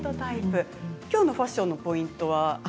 きょうのファッションのポイントは？